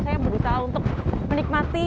saya berusaha untuk menikmati